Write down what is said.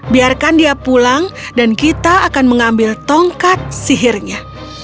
biarkan dia pulang dan kita akan mengambil tongkat sihirnya